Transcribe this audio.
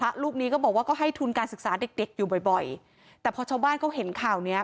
ลูกนี้ก็บอกว่าก็ให้ทุนการศึกษาเด็กเด็กอยู่บ่อยบ่อยแต่พอชาวบ้านเขาเห็นข่าวเนี้ย